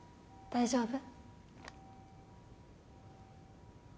大丈夫？